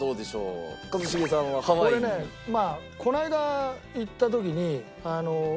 俺ねまあこの間行った時に。